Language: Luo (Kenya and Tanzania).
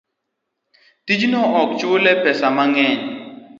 tijno ok chulye pesa mang'eny.